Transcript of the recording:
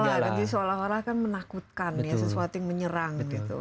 jadi seolah olah kan menakutkan sesuatu yang menyerang